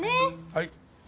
はい。